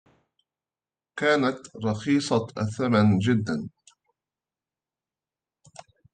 كانت رخيصة الثمن جداً.